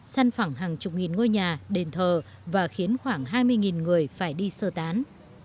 săn phẳng hàng chục nghìn ngôi nhà đền thờ và khiến khoảng hai mươi người phải đi sơ tán